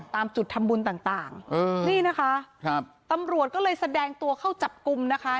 ตามจุดทำบุญต่างต่างนี่นะคะครับตำรวจก็เลยแสดงตัวเข้าจับกลุ่มนะคะ